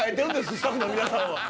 スタッフの皆さんは。